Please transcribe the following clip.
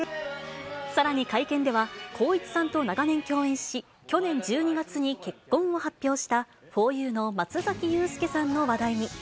さらに会見では、光一さんと長年共演し、去年１２月に結婚を発表した、ふぉゆの松崎祐介さんの話題に。